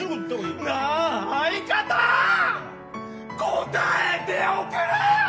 なあ、相方、答えておくれよー！